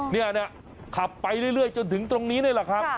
เนี่ยขับไปเรื่อยจนถึงตรงนี้เลยแหละครับ